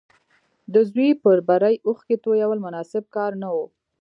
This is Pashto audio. د زوی پر بري اوښکې تويول مناسب کار نه و